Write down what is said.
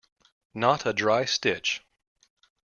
Not a dry stitch.